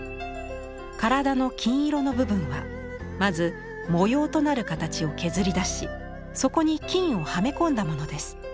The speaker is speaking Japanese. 体の金色の部分はまず模様となる形を削り出しそこに金をはめ込んだものです。